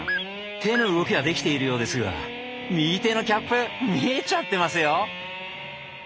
手の動きはできているようですが右手のキャップ見えちゃってますよ！